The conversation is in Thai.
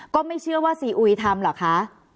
ก็ไม่เชื่อว่าซีอุยทำเหรอคะ